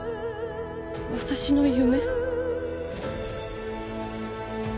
私の夢？